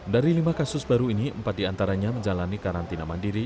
dari lima kasus baru ini empat diantaranya menjalani karantina mandiri